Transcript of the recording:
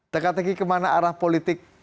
tegak tegi kemana arah politik